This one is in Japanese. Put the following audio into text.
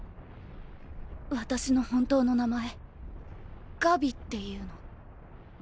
私の本当の名前ガビっていうの。